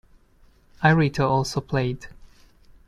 Irito also played.